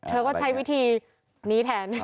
เธอก็ใช้วิธีนี้แทน